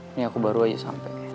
ini aku baru aja sampai